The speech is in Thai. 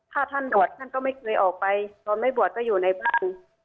ถ้าท่านบวชท่านก็ไม่เคยออกไปตอนไม่บวชก็อยู่ในบ้าน